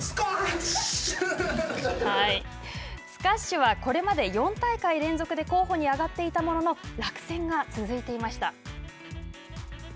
スカッシュはこれまで４大会連続で候補に挙がっていたものの落選が続いていました。